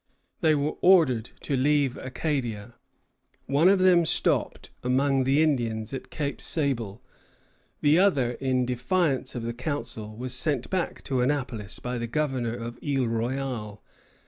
They were ordered to leave Acadia. One of them stopped among the Indians at Cape Sable; the other, in defiance of the Council, was sent back to Annapolis by the Governor of Isle Royale.